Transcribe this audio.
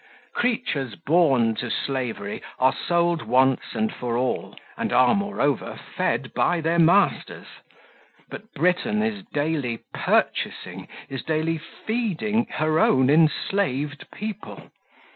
Creatures born to slavery are sold once and for all, and are, moreover, fed by their masters; but Britain is daily purchasing, is daily feeding, her own enslaved people.